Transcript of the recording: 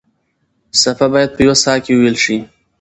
څپه باید په یوه ساه کې وېل شي.